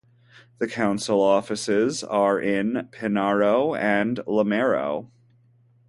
The council offices are in Pinnaroo and Lameroo.